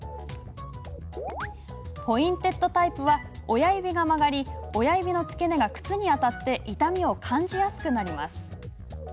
ポインテッドタイプは親指が曲がり親指の付け根が靴に当たって痛みを感じやすくなります。